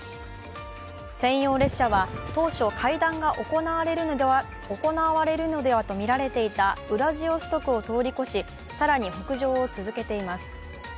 専用列車は、当初、会談が行われるのではとみられていたウラジオストクを通り越し、更に北上を続けています。